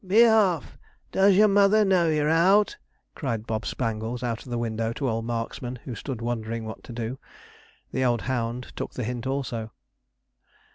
'Be off! Does your mother know you're out?' cried Bob Spangles, out of the window, to old Marksman, who stood wondering what to do. The old hound took the hint also.